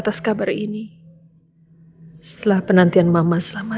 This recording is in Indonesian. ya mudah mudahan aja jadi kendataan